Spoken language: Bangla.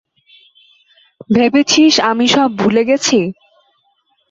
ভেবেছিস আমি সব ভুলে গেছি?